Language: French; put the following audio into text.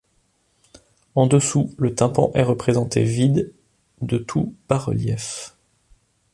En dessous, le tympan est représenté vide de tout bas-relief.